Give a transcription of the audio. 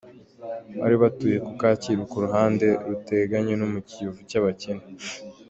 Bari batuye ku Kacyiru, ku ruhande ruteganye no mu Kiyovu cy’abakene.